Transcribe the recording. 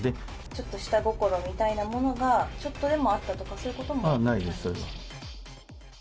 ちょっと下心みたいなものが、ちょっとでもあったとか、そういないです、それは。